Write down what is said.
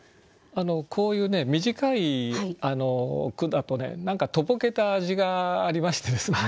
こういうね短い句だとね何かとぼけた味がありましてですね